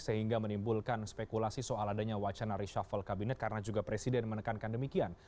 sehingga menimbulkan spekulasi soal adanya wacana reshuffle kabinet karena juga presiden menekankan demikian